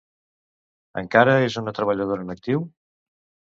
Encara és una treballadora en actiu?